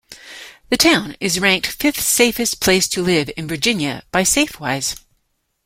The town is ranked fifth-safest place to live in Virginia by Safewise.